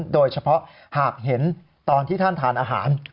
โดยเฉพาะหากเห็นตอนที่ท่านทานอาหาร